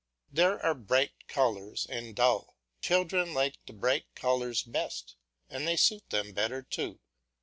There are bright colours and dull; children like the bright colours best, and they suit them better too.